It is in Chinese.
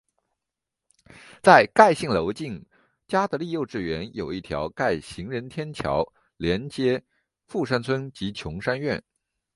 在富信楼近嘉德丽幼稚园有一条有盖行人天桥连接富山邨及琼山苑。